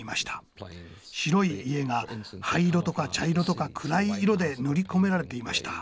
白い家が灰色とか茶色とか暗い色で塗り込められていました。